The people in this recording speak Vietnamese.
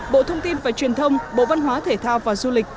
bộ thông tin và truyền thông bộ văn hóa thể thao và du lịch